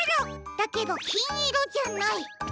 だけどきんいろじゃない。